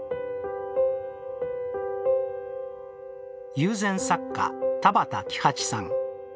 友禅作家・田畑喜八さん。